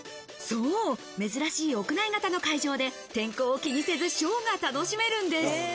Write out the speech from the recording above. そう、珍しい屋内型の会場で、天候を気にせずショーが楽しめるんです。